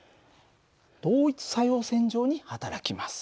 同一作用線上にはたらきます。